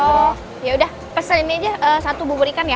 oh yaudah peselin aja satu bubur ikan ya